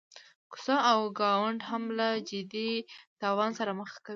کوڅه او ګاونډ هم له جدي تاوان سره مخ کوي.